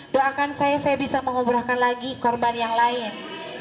doakan saya saya bisa menguburkan lagi korban yang lain